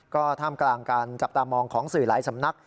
ก็ท่ามกลางการจับตามองของสื่อหลายสำนัก